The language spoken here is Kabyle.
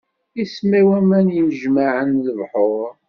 Isemma i waman yennejmaɛen: lebḥuṛ.